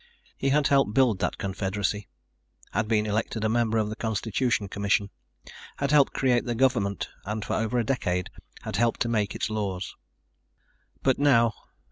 He had helped build that confederacy, had been elected a member of the constitution commission, had helped create the government and for over a decade had helped to make its laws. But now